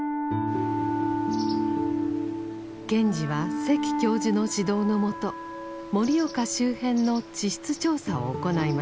賢治は関教授の指導のもと盛岡周辺の地質調査を行いました。